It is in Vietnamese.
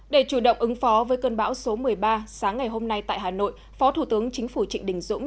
để chủ động ứng phó với cơn bão số một mươi ba sáng ngày hôm nay tại hà nội phó thủ tướng chính phủ trịnh đình dũng